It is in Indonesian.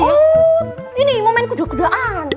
oh ini mau main kuda kudaan